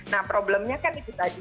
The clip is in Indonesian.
nah problemnya kan itu tadi